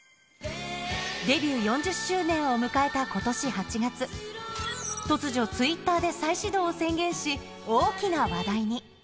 デビュー４０周年を迎えたことし８月、突如、ツイッターで再始動を宣言し、大きな話題に。